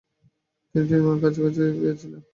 তিনি এটি নির্মাণের কাছাকাছি গিয়েছিলেন।